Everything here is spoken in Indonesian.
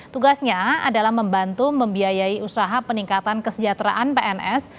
tugasnya adalah membantu membiayai usaha peningkatan kesejahteraan pns